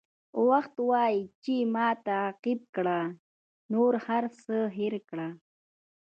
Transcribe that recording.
وخت وایي چې ما تعقیب کړه نور هر څه هېر کړه.